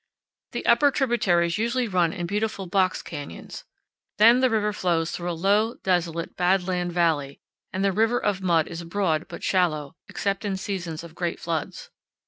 The upper tributaries usually run in beautiful box canyons. Then the river flows through a low, desolate, bad land valley, and the river of mud is broad but shallow, except in seasons of great floods.